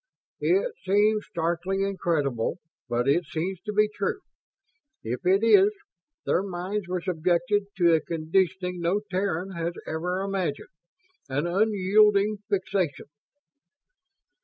"It seems starkly incredible, but it seems to be true. If it is, their minds were subjected to a conditioning no Terran has ever imagined an unyielding fixation."